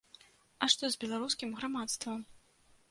А што з беларускім грамадствам?